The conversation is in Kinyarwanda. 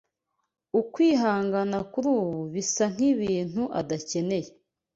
Ukwihangana kurubu bisa nkibintu adakeneye.